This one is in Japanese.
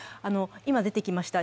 今出てきました、